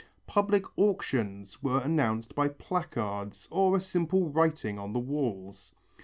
Public auctions were announced by placards or a simple writing on the walls.